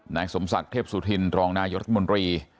นายสมศักดิ์เทพสุธินรองนายรัฐมนตรี